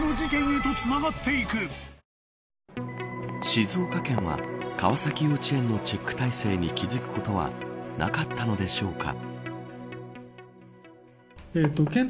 静岡県は川崎幼稚園のチェック体制に気付くことはなかったのでしょうか。